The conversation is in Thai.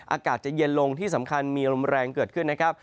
อากาศจะเย็นลงที่สำคัญมีลมแรงเกิดขึ้นนะครับ